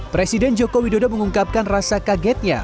presiden joko widodo mengungkapkan rasa kagetnya